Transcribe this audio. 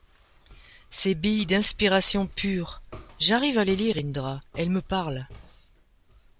Ces billes d’inspirations pures. .. j’arrive à les lire, Indra, elles me parlent.